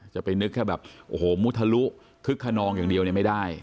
จะไปนึกแค่แบบโอ้โหมุทะลุคึกขนองอย่างเดียวเนี่ยไม่ได้